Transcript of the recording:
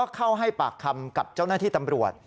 เข้าให้ปากคำกับเจ้าหน้าที่ตำรวจ